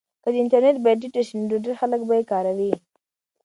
که د انټرنیټ بیه ټیټه شي نو ډېر خلک به یې کاروي.